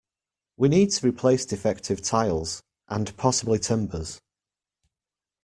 We need to replace defective tiles, and possibly timbers.